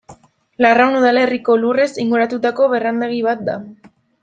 Larraun udalerriko lurrez inguratutako barrendegi bat da.